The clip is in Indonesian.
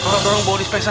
orang orang bawa dispenser